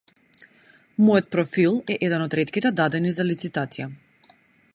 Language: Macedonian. Мојот профил е еден од ретките дадени за лицитација.